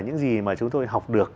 những gì mà chúng tôi học được